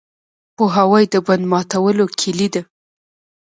پوهاوی د بند ماتولو کلي ده.